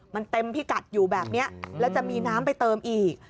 มันเต็มพิกัดอยู่แบบนี้แล้วจะมีน้ำไปเติมอีก